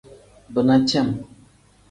Bina cem.